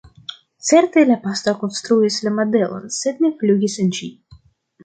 Certe la pastro konstruis la modelon, sed ne flugis en ĝi.